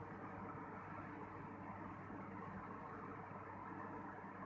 แต่ว่าจะเป็นแบบนี้